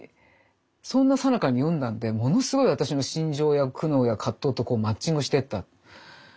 そんなさなかに読んだんでものすごい私の心情や苦悩や葛藤とマッチングしてった。